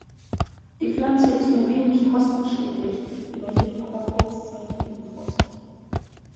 Die Pflanze ist nur wenig frostbeständig, überlebt aber kurzzeitigen Frost.